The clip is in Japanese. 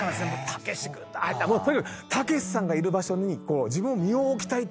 たけし軍団入りたい。とにかくたけしさんがいる場所に自分身を置きたいっていう。